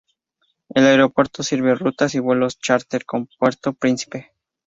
El aeropuerto sirve rutas y vuelos chárter con Puerto Príncipe.